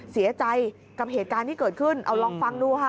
เสียใจกับเหตุการณ์ที่เกิดขึ้นเอาลองฟังดูค่ะ